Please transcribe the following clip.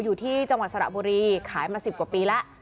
อยู่ที่จังหวัดสระบุรีขายมา๑๐กว่าปีแล้ว